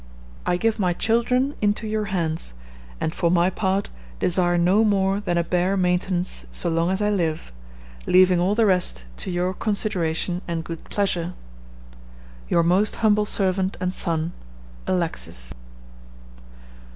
"I give my children into your hands, and, for my part, desire no more than a bare maintenance so long as I live, leaving all the rest to your consideration and good pleasure. "Your most humble servant and son, "ALEXIS."